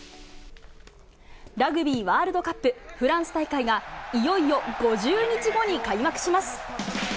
ラグビーワールドカップフランス大会が、いよいよ５０日後に開幕します。